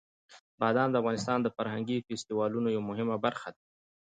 بادام د افغانستان د فرهنګي فستیوالونو یوه مهمه برخه ده.